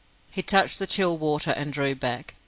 He touched the chill water and drew back.